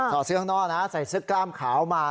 เสื้อข้างนอกนะใส่เสื้อกล้ามขาวมา